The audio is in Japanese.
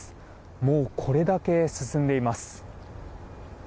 もうこれだけ進んでいます。